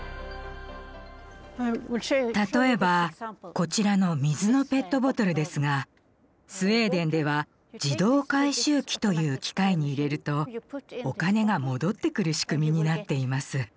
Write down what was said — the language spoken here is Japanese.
例えばこちらの水のペットボトルですがスウェーデンでは「自動回収機」という機械に入れるとお金が戻ってくる仕組みになっています。